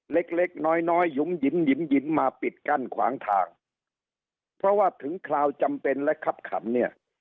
เล็กเล็กน้อยน้อยหยุมหิมหยิมหิมมาปิดกั้นขวางทางเพราะว่าถึงคราวจำเป็นและคับขันเนี่ย